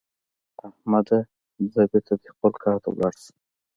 احمده؛ ځه بېرته دې خپل کار ته ولاړ شه.